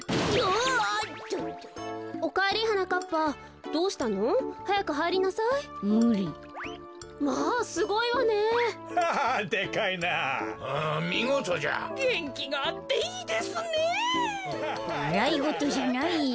わらいごとじゃないよ。